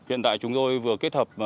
hiện tại chúng tôi vừa kết hợp